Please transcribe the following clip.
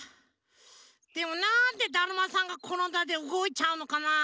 でもなんで「だるまさんがころんだ」でうごいちゃうのかな。